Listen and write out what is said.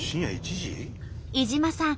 井島さん